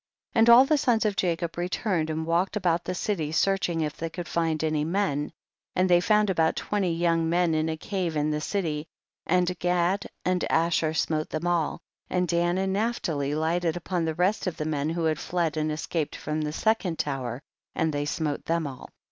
48. And all the sons of Jacob re turned and walked about the city, searching if they could find any men, and they found about twenty young men in a cave in the city, and Gad and Asher smote them all, and Dan and Naphtali lighted upon the rest of the men who had fled and escaped from the second tower, and thev smote them all.